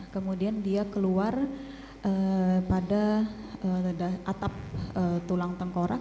kemudian dia keluar pada atap tulang tengkorak